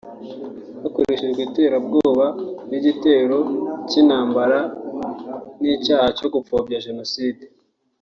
hakoreshejwe iterabwoba n’igitero cy’intambara n’icyaha cyo gupfobya Jenoside